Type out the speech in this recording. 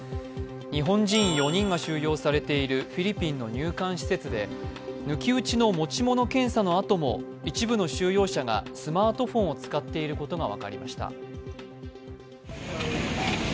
日本人４人が収容されているフィリピンの入管施設で抜き打ちの持ち物検査のあとも一部の収容者がスマートフォンを使っていることが分かりました。